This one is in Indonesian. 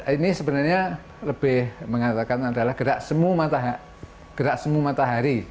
ini sebenarnya lebih mengatakan adalah gerak semu matahari